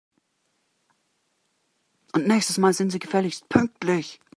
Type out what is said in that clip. Und nächstes Mal sind Sie gefälligst pünktlich!